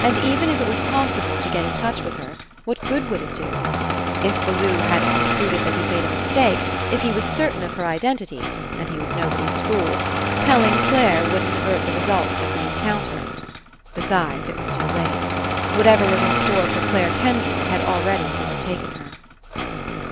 And even if it was possible to get in touch with her, what good would it do? If Bel lew hadn't concluded that he'd made a mistake, if he was certain of her Identity — and he was nobody's fool — telling Clare wouldn't avert the results of the encounter. Besides, it was too late. Whatever was in store for Clare Kendry had already overtaken her.